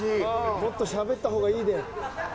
もっとしゃべったほうがええで。